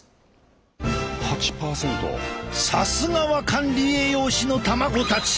さすがは管理栄養士の卵たち！